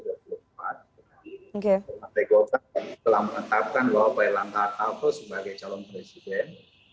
ketua kcb telah menetapkan bahwa pak ilham tartarto sebagai calon presiden